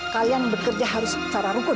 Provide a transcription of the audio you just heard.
kalian bekerja harus secara hukum